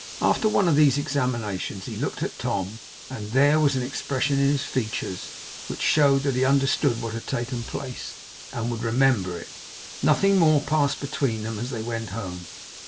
After one of these examinations, he looked at Tom, and then there was an expression in his features, which showed that he understood what had taken place, and would remember it. Nothing more passed between them as they went home.